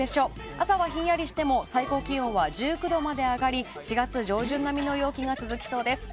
朝はひんやりしても最高気温は１９度まで上がり４月上旬並みの陽気が続きそうです。